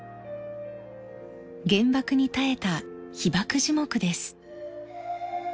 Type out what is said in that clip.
原爆に耐えた被爆樹木です。